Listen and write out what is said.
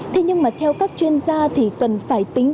thế nhưng mà theo các chuyên gia thì cần phải tính